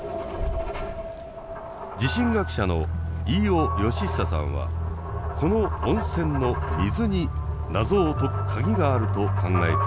地震学者の飯尾能久さんはこの温泉の水に謎を解く鍵があると考えています。